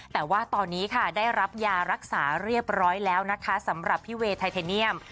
แต่ว่าตอนนี้ค่ะได้รับยารักษาเรียบร้อยแล้วนะคะสำหรับพี่เวย์ไทเทเนียม